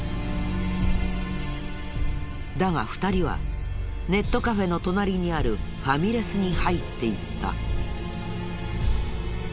だが２人はネットカフェの隣にあるファミレスに入っていった。